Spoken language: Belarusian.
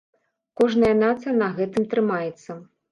Кожная нацыя на гэтым трымаецца.